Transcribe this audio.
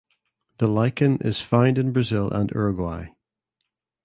The lichen is found in Brazil and Uruguay.